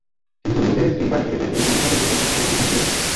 কিন্তু লূতের স্ত্রী বাড়ি থেকে বের হয়ে জনপদের লোকদের কাছে খবরটি পৌঁছিয়ে দেয়।